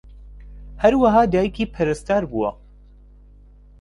ھەروەھا دایکی پەرستار بووە